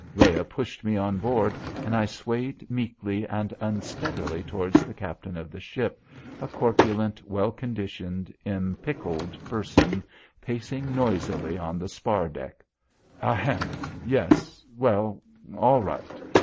Rhea pushed me on board and I swayed meekly and unsteadily toward the captain of the ship, a corpulent, well conditioned, impickled person pacing noisily on the spar deck. "Ahem, yes; well; all right.